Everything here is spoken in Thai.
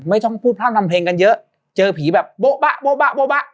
ไม่ต้องพูดพร่ำทำเพลงกันเยอะเจอผีแบบโบ๊บะโบ๊บะโบ๊บะ